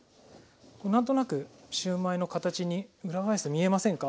これ何となくシューマイの形に裏返すと見えませんか？